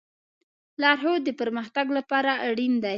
لارښود د پرمختګ لپاره اړین دی.